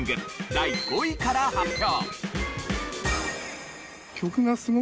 第５位から発表。